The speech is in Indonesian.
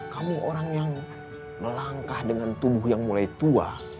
kamu orang yang melangkah dengan tubuh yang mulai tua